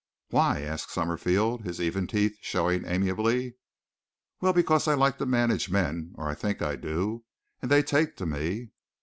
"Why?" asked Summerfield, his even teeth showing amiably. "Well, because I like to manage men, or I think I do. And they take to me."